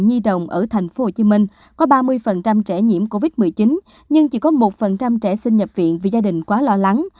nhi đồng ở tp hcm có ba mươi trẻ nhiễm covid một mươi chín nhưng chỉ có một trẻ sinh nhập viện vì gia đình quá lo lắng